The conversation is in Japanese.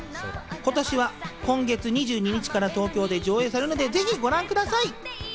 今年は今月２２日から東京で上演するのでぜひご覧ください。